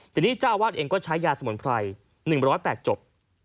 แต่นี่เจ้าอาวาสเองก็ใช้ยาสมนตราย๑๐๘จบ